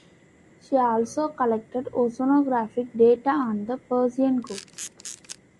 She also collected oceanographic data on the Persian Gulf.